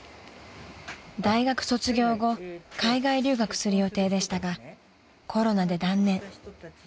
［大学卒業後海外留学する予定でしたがコロナで断念］